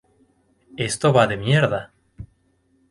esto va de mierda